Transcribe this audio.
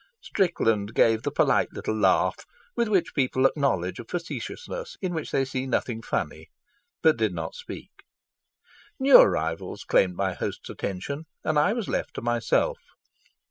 Strickland gave the polite little laugh with which people acknowledge a facetiousness in which they see nothing funny, but did not speak. New arrivals claimed my host's attention, and I was left to myself.